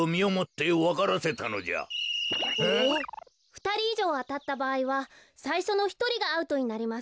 ふたりいじょうあたったばあいはさいしょのひとりがアウトになります。